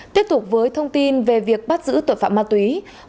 tiếp tục với thông tin về việc bắt giữ tội phạm ma túy